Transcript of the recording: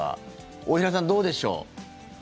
大平さん、どうでしょう？